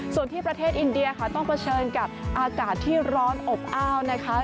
ส่วนที่ประเทศอินเดียค่ะต้องเผชิญกับอากาศที่ร้อนอบอ้าวนะคะ